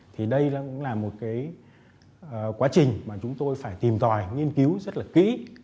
thì đây cũng là một cái quá trình mà chúng tôi phải tìm tòi nghiên cứu rất là kỹ